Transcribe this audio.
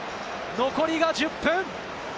残りが１０分。